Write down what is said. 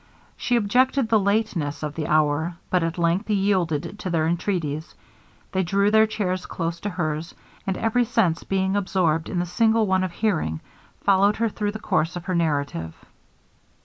She objected the lateness of the hour, but at length yielded to their entreaties. They drew their chairs close to hers; and every sense being absorbed in the single one of hearing, followed her through the course of her narrative.